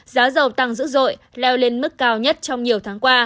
giá dầu tăng dữ dội leo lên mức cao nhất trong nhiều tháng qua